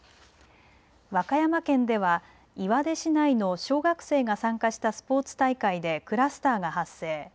和歌山県では岩出市内の小学生が参加したスポーツ大会でクラスターが発生。